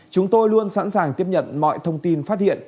chúng tôi luôn sẵn sàng tiếp nhận mọi thông tin phát hiện